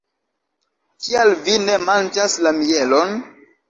Kial vi ne manĝas la mielon?